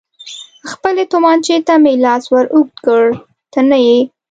خپلې تومانچې ته مې لاس ور اوږد کړ، ته نه یې.